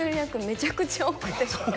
めちゃくちゃ多くて。